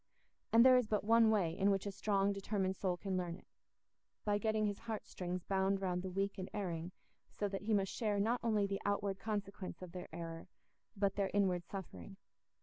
And there is but one way in which a strong determined soul can learn it—by getting his heart strings bound round the weak and erring, so that he must share not only the outward consequence of their error, but their inward suffering.